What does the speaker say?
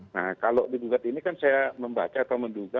nah kalau digugat ini kan saya membaca atau menduga